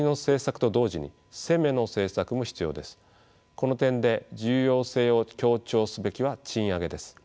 この点で重要性を強調すべきは賃上げです。